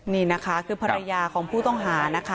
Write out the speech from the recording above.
นี่นะคะคือภรรยาของผู้ต้องหานะคะ